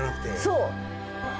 そう。